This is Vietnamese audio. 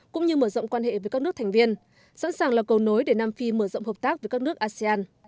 cũng như mở rộng quan hệ với các nước thành viên sẵn sàng là cầu nối để nam phi mở rộng hợp tác với các nước asean